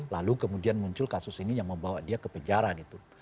lalu kemudian muncul kasus ini yang membawa dia ke penjara gitu